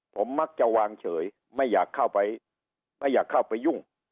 ผมมักจะวางเฉยไม่อยากเข้าไปไม่อยากเข้าไปยุ่ง